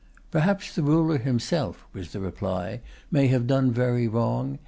"Perhaps the ruler himself," was the reply, "may have done very wrong....